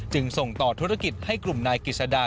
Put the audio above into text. ส่งต่อธุรกิจให้กลุ่มนายกิจสดา